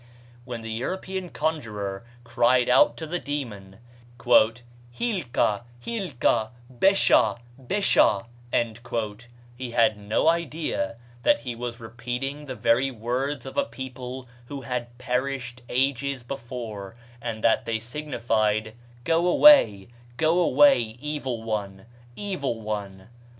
When the European conjurer cried out to the demon, "Hilka, hilka, besha, besha," he had no idea that he was repeating the very words of a people who had perished ages before, and that they signified Go away, go away, evil one, evil one.